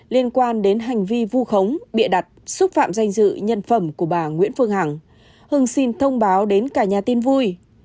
liên quan đến hành vi vu khống bịa đặt xúc phạm danh dự nhân phẩm của bà nguyễn phương hằng hưng xin thông báo đến cả nhà tin vui